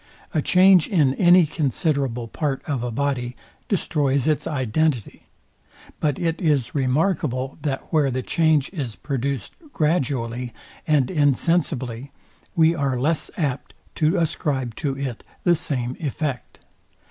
A change in any considerable part of a body destroys its identity; but it is remarkable, that where the change is produced gradually and insensibly we are less apt to ascribe to it the same effect.